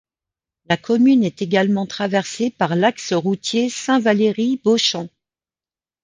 La commune est également traversée par l'axe routier Saint-Valery - Beauchamps.